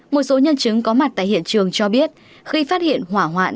một số nhân chứng có mặt tại hiện trường cho biết khi phát hiện hỏa hoạn